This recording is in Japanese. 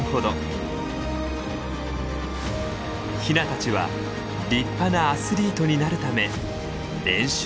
ヒナたちは立派なアスリートになるため練習を繰り返します。